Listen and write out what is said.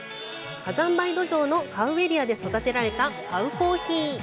火山灰土壌のカウエリアで育てられたカウコーヒー。